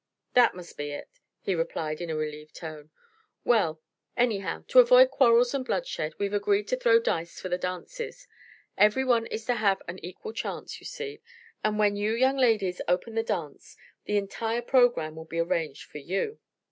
"That must be it," he replied in a relieved tone. "Well, anyhow, to avoid quarrels and bloodshed we've agreed to throw dice for the dances. Every one is to have an equal chance, you see, and when you young ladies open the dance the entire programme will be arranged for you."